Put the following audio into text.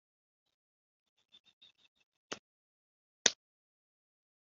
iki gihe abenshi mu rubyiruko bashaka kumva uko bigenda